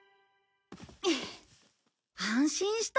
安心した。